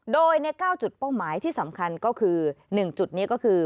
โดยใน๙จุดเป้าหมายที่สำคัญก็คือ๑จุดนี้ก็คือ